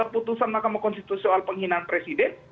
putusan mahkamah konstitusi soal penghinaan presiden